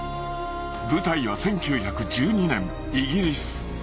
［舞台は１９１２年イギリス］